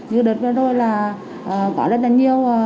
như đợt vừa rồi là có rất là nhiều